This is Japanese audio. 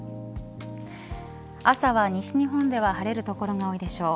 朝は西日本では晴れる所が多いでしょう。